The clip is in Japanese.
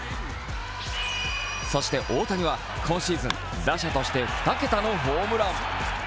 そして大谷は今シーズン、打者として２桁のホームラン。